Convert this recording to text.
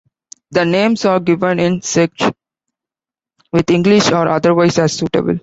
The names are given in Czech, with English or otherwise as suitable.